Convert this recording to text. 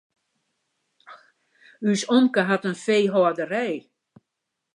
Us omke hat in feehâlderij.